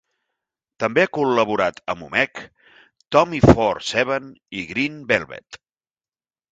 També ha col·laborat amb Umek, Tommy Four Seven i Green Velvet.